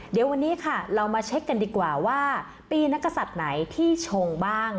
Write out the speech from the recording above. เดี๋ยววันนี้ค่ะเรามาเช็คกันดีกว่าว่าปีนักศัตริย์ไหนที่ชงบ้าง